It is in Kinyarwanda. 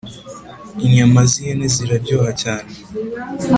imyama z'ihena ziraryoha cyane